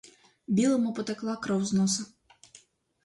Білому потекла кров із носа.